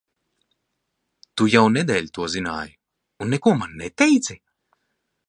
Tu jau nedēļu to zināji, un neko man neteici?